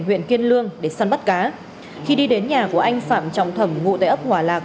huyện kiên lương để săn bắt cá khi đi đến nhà của anh phạm trọng thẩm ngụ tại ấp hỏa lạc